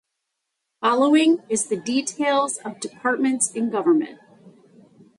Following is the details of departments in Govt.